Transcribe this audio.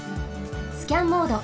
スキャンモード。